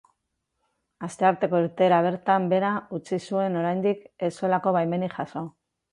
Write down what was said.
Astearteko irteera bertan behera utzi zuen oraindik ez zuelako baimenik jaso.